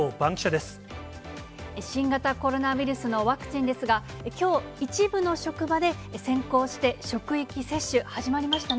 新型コロナウイルスのワクチンですが、きょう、一部の職場で先行して職域接種、始まりましたね。